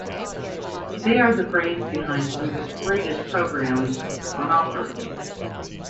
They are the brains behind some of the greatest programs on offer!